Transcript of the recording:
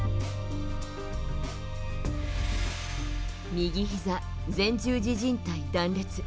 右ひざ前十字じん帯断裂。